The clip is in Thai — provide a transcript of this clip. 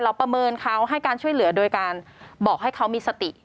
ประเมินเขาให้การช่วยเหลือโดยการบอกให้เขามีสติ